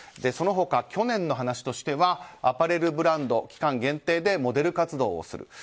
その他、去年の話としてはアパレルブランド期間限定でモデル活動をする。